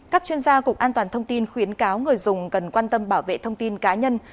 các chuyên gia cục an toàn thông tin khuyến cáo người dùng cần quan tâm bảo vệ thông tin cá nhân